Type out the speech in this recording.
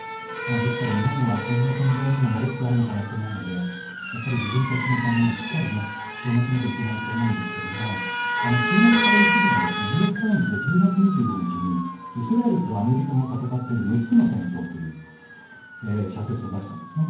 ですから日本はそんな存在になりつつあるのかなと思うので自分たちの考えをしっかり表明しなくてはいけないと思うんですけども注目される記事がニューヨーク・タイムズで１０月２５日にイスラエルとアメリカが戦っている６つの戦闘という社説を出したんですね。